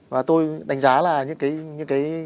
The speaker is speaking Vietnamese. và tôi đánh giá là những cái